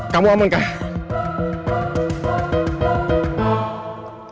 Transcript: kamu aman kak